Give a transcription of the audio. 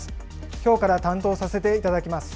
きょうから担当させていただきます。